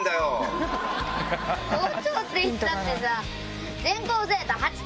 校長っていったってさ。